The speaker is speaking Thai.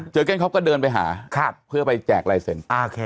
เจอร์เก้นคลอฟก็เดินไปหาเพื่อไปแจกไลเซน